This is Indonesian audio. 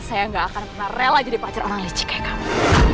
saya gak akan pernah rela jadi pacar orang leci kayak kamu